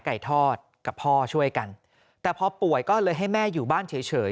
ไก่ทอดกับพ่อช่วยกันแต่พอป่วยก็เลยให้แม่อยู่บ้านเฉยเฉย